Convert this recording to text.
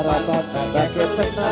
rapat pilih mangaru batu